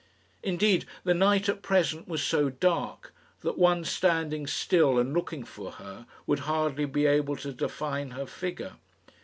Indeed, the night at present was so dark, that one standing still and looking for her would hardly be able to define her figure.